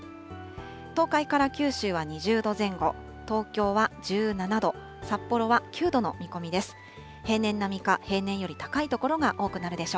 東海から九州は２０度前後、東京は１７度、札幌は９度の見込みです。